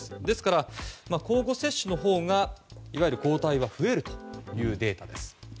ですから、交互接種のほうが抗体は増えるというデータです。